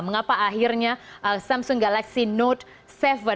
mengapa akhirnya samsung galaxy note tujuh